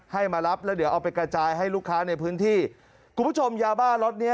มารับแล้วเดี๋ยวเอาไปกระจายให้ลูกค้าในพื้นที่คุณผู้ชมยาบ้าล็อตเนี้ย